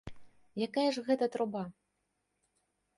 Якая ж гэта труба?